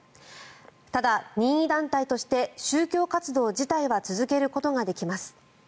ただ、任意団体として宗教活動自体は続けることができます。